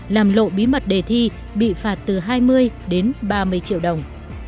làm lộ bí mật đề thi bị phạt từ hai mươi đến ba mươi triệu đồng